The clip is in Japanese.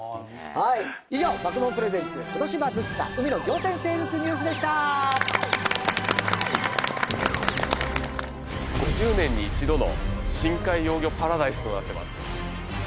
はい以上爆問プレゼンツ今年バズった海の仰天生物ニュースでした深海幼魚パラダイスとなってます